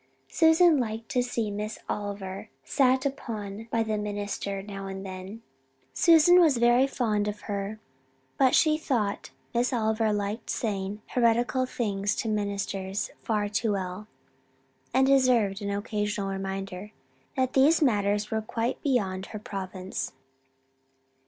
Susan liked to see Miss Oliver sat upon by the minister now and then. Susan was very fond of her but she thought Miss Oliver liked saying heretical things to ministers far too well, and deserved an occasional reminder that these matters were quite beyond her province.